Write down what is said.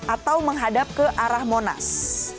atau menghadap ke arah monas